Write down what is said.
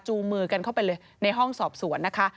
มือกันเข้าไปเลยในห้องสอบสวนนะคะ